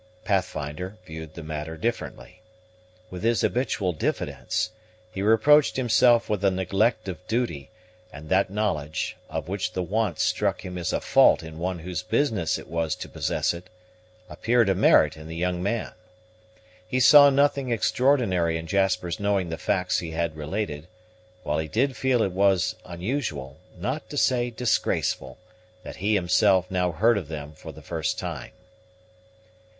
Pathfinder viewed the matter differently. With his habitual diffidence, he reproached himself with a neglect of duty, and that knowledge, of which the want struck him as a fault in one whose business it was to possess it, appeared a merit in the young man. He saw nothing extraordinary in Jasper's knowing the facts he had related; while he did feel it was unusual, not to say disgraceful, that he himself now heard of them for the first time.